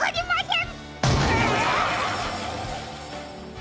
ん？